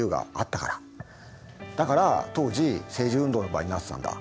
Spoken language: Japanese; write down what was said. だから当時政治運動の場になってたんだ。